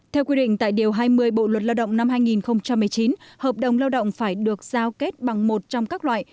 theo quy định tại điều hai mươi bộ luật lao động năm hai nghìn một mươi chín hợp đồng lao động phải được giao kết bằng một trong các loại